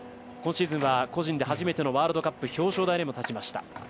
今シーズンは個人で初めてのワールドカップ表彰台にも立ちました。